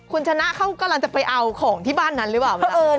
คุณชนะกำลังจะไปเอาของที่บ้านเลยไหม